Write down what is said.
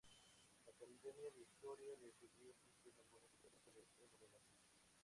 La Academia de Historia le pidió que hiciera algunas averiguaciones sobre estas monedas.